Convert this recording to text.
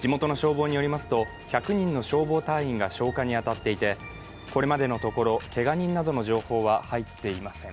地元の消防によりますと１００人の消防隊員が消火に当たっていてこれまでのところ、けが人などの情報は入っていません。